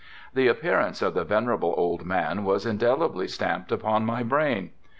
The appearance of the venerable old man was indellibly stamped upon my brain.